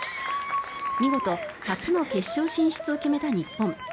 見事、初の決勝進出を決めた日本。